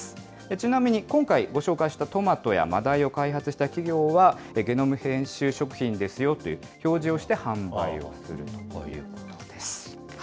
ちなみに今回、ご紹介したトマトやマダイを開発した企業は、ゲノム編集食品ですよという表示をして、販売をするということです。